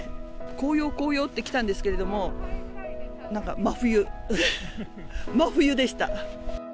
紅葉って来たんですけれども、なんか真冬、真冬でした。